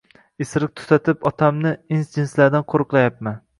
— Isiriq tutatib, otamni... ins-jinslardan qo‘riqlayapman.